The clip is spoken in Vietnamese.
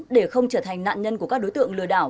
để không trở thành nạn nhân của các đối tượng lừa đảo